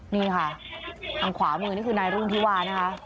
นี่ค่ะทางขวามือนี่คือนายรุ่งธิวานะคะ